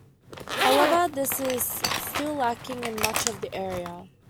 However, this is still lacking in much of the area.